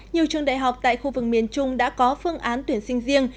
nhiều trường đại học tại khu vực miền trung đã có phương án tuyển sinh riêng